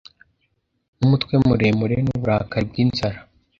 Numutwe muremure nuburakari bwinzara